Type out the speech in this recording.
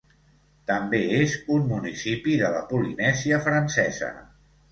També és un municipi de la Polinèsia francesa.